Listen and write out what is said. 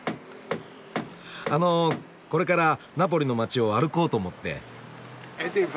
あのこれからナポリの街を歩こうと思って。